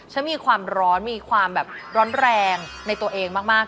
ฉันมีความร้อนมีความแบบร้อนแรงในตัวเองมาก